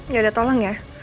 yaudah tolong ya